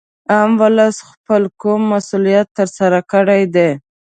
عام ولس خپل کوم مسولیت تر سره کړی دی